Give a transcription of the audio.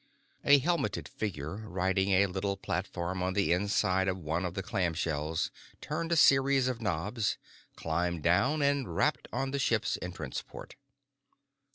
A helmeted figure riding a little platform on the inside of one of the clamshells turned a series of knobs, climbed down, and rapped on the ship's entrance port.